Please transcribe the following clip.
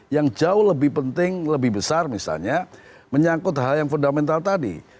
yang jauh lebih penting lebih besar misalnya menyangkut hal hal yang fundamental tadi